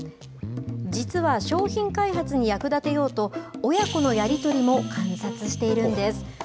実は、商品開発に役立てようと、親子のやり取りも観察しているんです。